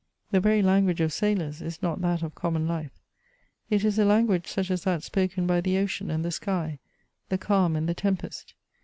The very language of sailors is not that of common life ; it is a language such as that spoken by the ocean and the sky, the calm and the tempest.